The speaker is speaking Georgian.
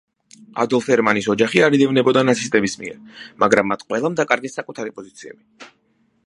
ადოლფ ერმანის ოჯახი არ იდევნებოდა ნაცისტების მიერ, მაგრამ მათ ყველამ დაკარგეს საკუთარი პოზიციები.